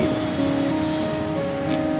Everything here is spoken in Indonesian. iya udah papa izin